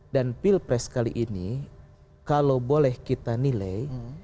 dan pilpres kali ini kalau boleh kita nilai